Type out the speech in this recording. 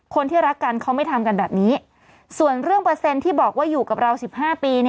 คนที่รักกันเขาไม่ทำกันแบบนี้ส่วนเรื่องเปอร์เซ็นต์ที่บอกว่าอยู่กับเรา๑๕ปี